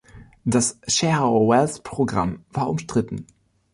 Das „Share Our Wealth“-Programm war umstritten.